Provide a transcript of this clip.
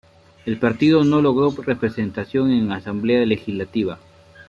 El partido no logró representación en la Asamblea Legislativa.